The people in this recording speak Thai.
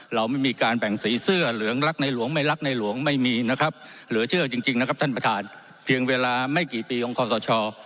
เราไม่มีการแบ่งสีเสื้อเหลืองรักในหลวงไม่รักในหลวงไม่มีนะครับเหลือเชื่อจริงนะครับท่านประธานเพียงเวลาไม่กี่ปีของคอสช